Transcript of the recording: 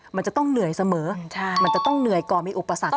มันจะต้องเหนื่อยเสมอมันจะต้องเหนื่อยก่อนมีอุปสรรค